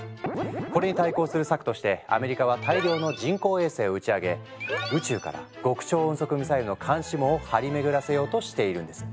これに対抗する策としてアメリカは大量の人工衛星を打ち上げ宇宙から極超音速ミサイルの監視網を張り巡らせようとしているんです。